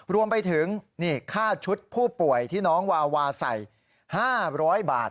รวมไปถึงค่าชุดผู้ป่วยที่น้องวาวาใส่๕๐๐บาท